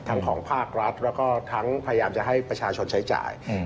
ของภาครัฐแล้วก็ทั้งพยายามจะให้ประชาชนใช้จ่าย